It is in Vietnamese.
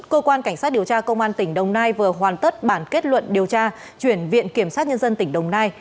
cơ quan cảnh sát điều tra công an tỉnh đồng nai vừa hoàn tất bản kết luận điều tra chuyển viện kiểm sát nhân dân tỉnh đồng nai